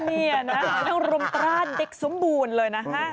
นี่นะทั้งรุมตราเด็กสมบูรณ์เลยนะฮะ